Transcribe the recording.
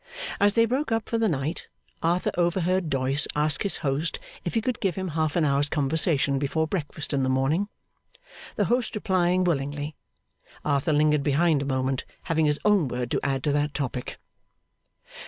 As they broke up for the night, Arthur overheard Doyce ask his host if he could give him half an hour's conversation before breakfast in the morning? The host replying willingly, Arthur lingered behind a moment, having his own word to add to that topic.